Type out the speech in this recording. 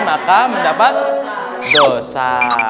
maka mendapat dosa